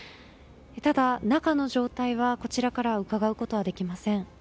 ただ、中の状態はこちらからうかがうことはできません。